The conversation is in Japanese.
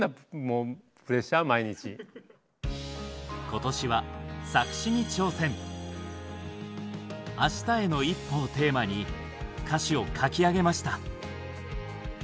今年は「明日への一歩」をテーマに歌詞を書き上げました。